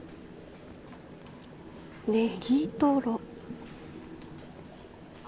ネギトロ。